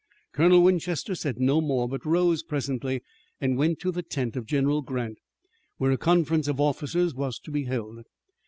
Colonel Winchester said no more, but rose presently and went to the tent of General Grant, where a conference of officers was to be held.